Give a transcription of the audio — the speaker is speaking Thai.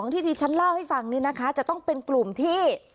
ที่ที่ฉันเล่าให้ฟังนี่นะคะจะต้องเป็นกลุ่มที่